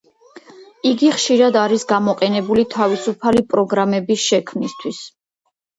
იგი ხშირად არის გამოყენებული თავისუფალი პროგრამების შექმნისთვის.